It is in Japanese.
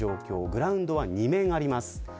グラウンドは２面あります。